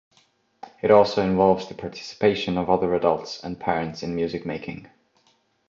It also involves the participation of other adults and parents in music making.